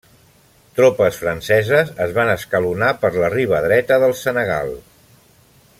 Tropes franceses es van escalonar per la riba dreta del Senegal.